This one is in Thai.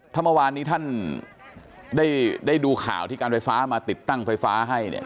ถ้าเมื่อวานนี้ท่านได้ดูข่าวที่การไฟฟ้ามาติดตั้งไฟฟ้าให้เนี่ย